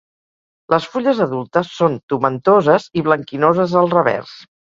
Les fulles adultes són tomentoses i blanquinoses al revers.